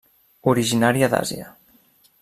Originària d'Àsia.